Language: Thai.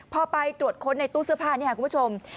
พอไปตรวจค้นในตู้เสื้อผ้านี่ค่ะคุณผู้ชม